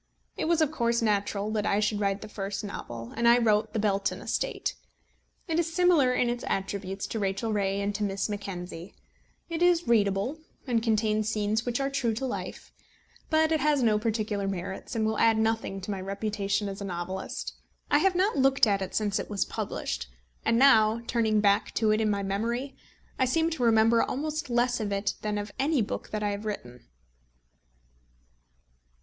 It was of course natural that I should write the first novel, and I wrote The Belton Estate. It is similar in its attributes to Rachel Ray and to Miss Mackenzie. It is readable, and contains scenes which are true to life; but it has no peculiar merits, and will add nothing to my reputation as a novelist. I have not looked at it since it was published; and now turning back to it in my memory, I seem to remember almost less of it than of any book that I have written.